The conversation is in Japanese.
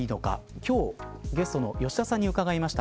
今日、ゲストの吉田さんに伺いました。